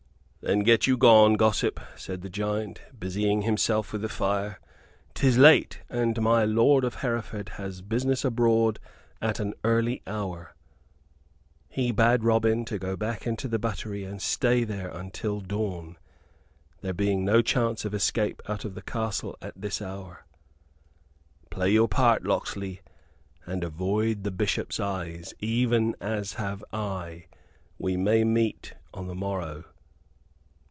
"Then get you gone, gossip," said the giant, busying himself with the fire. "'Tis late: and my lord of Hereford has business abroad at an early hour." He bade Robin go back into the buttery and stay there until dawn, there being no chance of escape out of the castle at this hour. "Play your part, Locksley, and avoid the Bishop's eyes even as have I. We may meet on the morrow."